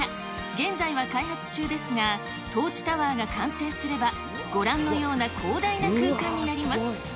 現在は開発中ですが、トーチタワーが完成すれば、ご覧のような広大な空間になります。